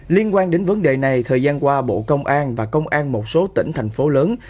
liên quan đến vấn đề này thời gian qua bộ công an và công an một số tỉnh thành phố lớn